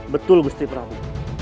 betul gusti prabu